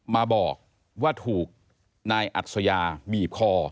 มาบอกว่าถูกนายอัศยาบีบคอ